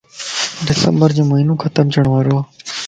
ڊسمبر جو مھينو ختم ڇڻ وارووَ